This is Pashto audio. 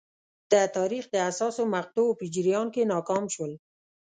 د تاریخ د حساسو مقطعو په جریان کې ناکام شول.